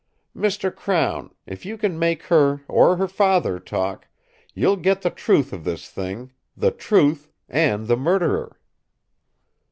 "Mr. Crown, if you can make her or her father talk, you'll get the truth of this thing, the truth and the murderer.